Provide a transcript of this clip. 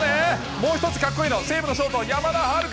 もう一つかっこいいの、西武のショート、山田はるか。